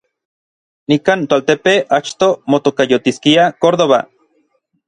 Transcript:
Nikan toaltepe achto motokayotiskia Córdoba.